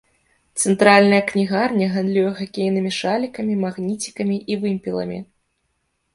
Цэнтральная кнігарня гандлюе хакейнымі шалікамі, магніцікамі і вымпеламі.